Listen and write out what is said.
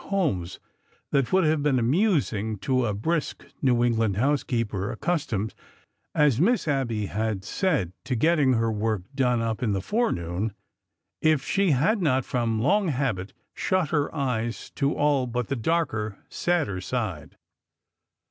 11 homes that would have been amusing to a brisk New England housekeeper accustomed, as Miss Abby had said, to getting her work done up in the forenoon, if she had not from long habit shut her eyes to all but the darker, sadder side.